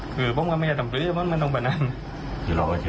เขามันยิงในครับ